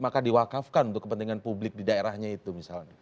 maka diwakafkan untuk kepentingan publik di daerahnya itu misalnya